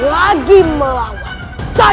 nyai lagi melawannya